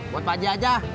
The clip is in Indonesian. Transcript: buat pak haji aja